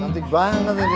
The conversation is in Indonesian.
cantik banget ini